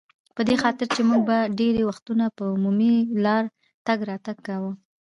په دې خاطر چې موږ به ډېری وختونه پر عمومي لار تګ راتګ کاوه.